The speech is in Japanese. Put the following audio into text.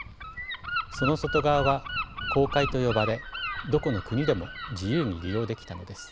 その外側は公海と呼ばれどこの国でも自由に利用できたのです。